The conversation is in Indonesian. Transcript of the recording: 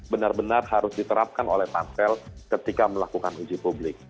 benar benar harus diterapkan oleh pansel ketika melakukan uji publik